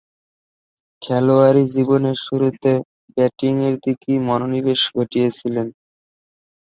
খেলোয়াড়ী জীবনের শুরুতে ব্যাটিংয়ের দিকেই মনোনিবেশ ঘটিয়েছিলেন।